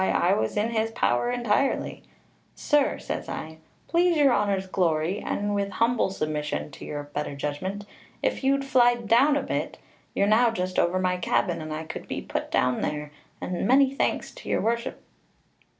I was in his power entirely; 'sir,' says I, 'please your honour's glory, and with humble submission to your better judgment, if you'd fly down a bit, you're now just over my cabin, and I could be put down there, and many thanks to your worship.'